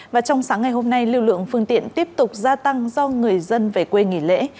và trong sáng ngày hôm nay lưu lượng phương tiện tiếp tục gia tăng do người dân về quê nghỉ lễ